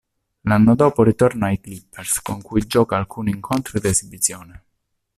L'anno dopo ritorna ai "Clippers" con cui gioca alcuni incontri d'esibizione.